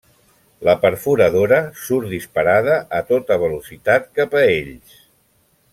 La perforadora surt disparada a tota velocitat cap a ells.